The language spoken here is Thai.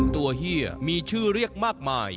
เฮียมีชื่อเรียกมากมาย